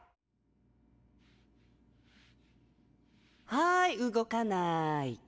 はい動かない。？